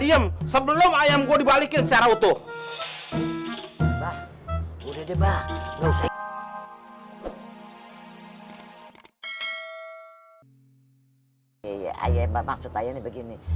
ayam sebelum ayam gua dibalikin secara utuh bah udah deh mbak lu sih iya iya maksudnya begini